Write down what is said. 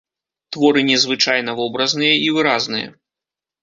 Творы незвычайна вобразныя і выразныя.